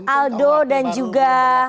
aldo dan juga